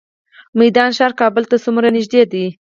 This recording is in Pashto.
میدان ښار کابل ته څومره نږدې دی؟